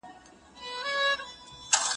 که ستا د سترګو راکاږل نه وای،